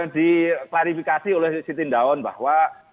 diklarifikasi oleh siti ndaon bahwa